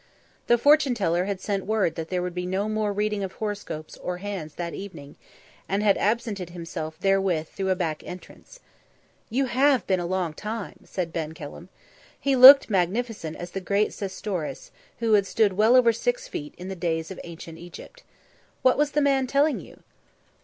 The fortune teller had sent word that there would be no more reading of horoscopes or hands that evening, and had absented himself therewith through a back entrance. "You have been a long time," said Ben Kelham. He looked magnificent as the great Sestoris, who had stood well over six feet in the days of Ancient Egypt. "What was the man telling you?"